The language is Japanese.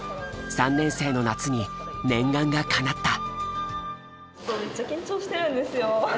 ３年生の夏に念願がかなった。